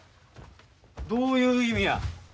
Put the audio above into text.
どういう意味や？